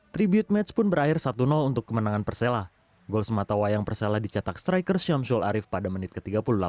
tribute match pun berakhir satu untuk kemenangan persela gol sematawayang persela dicetak striker syamsul arief pada menit ke tiga puluh delapan